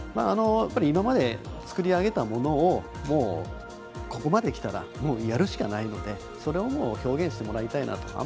今まで作り上げたものをここまできたらもうやるしかないのでそれを表現してもらいたいなと。